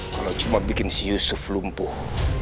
kalau cuma bikin si yusuf lumpuh